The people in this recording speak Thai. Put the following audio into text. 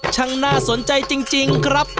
น่าสนใจจริงครับ